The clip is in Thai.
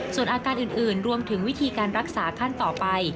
ส่วนอาการอื่นรวมถึงวิธีการรักษาขั้นต่อไป